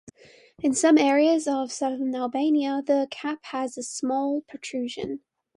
In some areas of southern Albania the cap has a small protrusion.